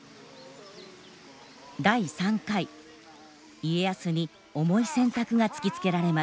家康に重い選択が突きつけられます。